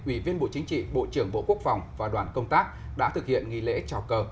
ủy viên bộ chính trị bộ trưởng bộ quốc phòng và đoàn công tác đã thực hiện nghi lễ trào cờ